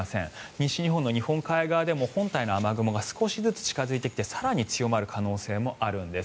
西日本の日本海側でも本体の雨雲が少しずつ近付いてきて更に強まる可能性もあるんです。